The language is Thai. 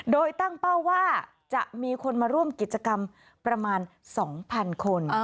โดยตั้งเป้าว่าจะมีคนมาร่วมกิจกรรมประมาณ๒๐๐๐คน